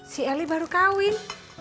si eli baru kawin